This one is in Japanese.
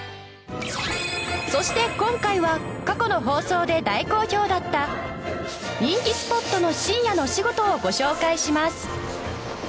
そして今回は過去の放送で大好評だった人気スポットの深夜のお仕事をご紹介します